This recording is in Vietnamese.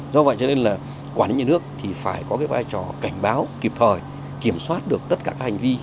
do vậy cho nên là quản lý nhà nước thì phải có cái vai trò cảnh báo kịp thời kiểm soát được tất cả các hành vi